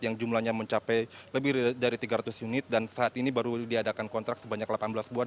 yang jumlahnya mencapai lebih dari tiga ratus unit dan saat ini baru diadakan kontrak sebanyak delapan belas buah